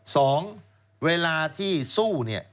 สองเวลาที่สู้เนี่ย